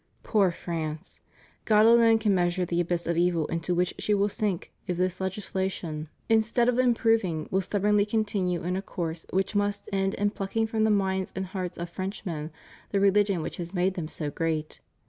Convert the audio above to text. Poor France! God alone can measure the abyss of evil into which she will sink if this legislation, instead 260 ALLEGIANCE TO THE REPUBLIC. of improving, will stubbornly continue in a course which must end in plucking from the minds and hearts of French men the religion which has made them so great.